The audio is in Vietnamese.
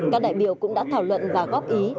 các đại biểu cũng đã thảo luận và góp ý